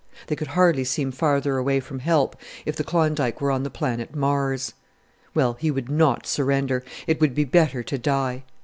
They could hardly seem farther away from help if the Klondike were on the planet Mars. Well, he would not surrender; it would be better to die.